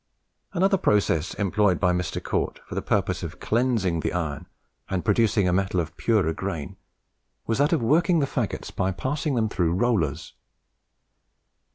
Another process employed by Mr. Cort for the purpose of cleansing the iron and producing a metal of purer grain, was that of working the faggots by passing them through rollers.